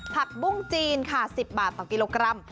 ผักบุ้งจีนค่ะ๑๐บาทต่อกิโลกรัม